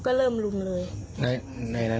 ใครบ้างอ่ะ